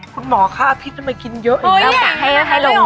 คุณหมอขออภิษได้ไม่กินเยอะอีก